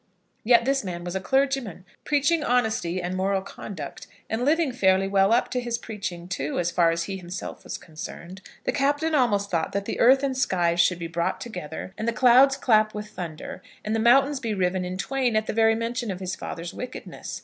Yet this man was a clergyman, preaching honesty and moral conduct, and living fairly well up to his preaching, too, as far as he himself was concerned! The Captain almost thought that the earth and skies should be brought together, and the clouds clap with thunder, and the mountains be riven in twain at the very mention of his father's wickedness.